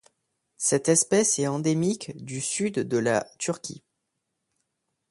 Cette espèce est endémique du Sud de la Turquie.